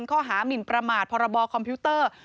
ข้อหามินประมาทพรบคอมพิวเตอร์